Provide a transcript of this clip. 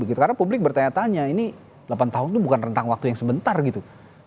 karena publik bertanya tanya ini delapan tahun itu bukan rentang waktu yang sebentar gitu